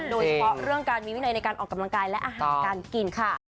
โดยเฉพาะเรื่องการมีวินัยในการออกกำลังกายและอาหารการกินค่ะ